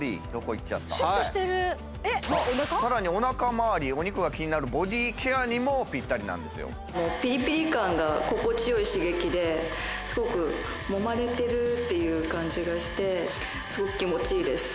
シュッとしてるさらにおなかまわりお肉が気になるボディーケアにもピッタリなんですよピリピリ感が心地よい刺激ですごく揉まれてるっていう感じがしてすごく気持ちいいです